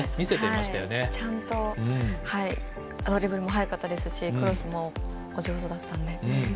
ドリブルも速かったですしクロスも上手だったので。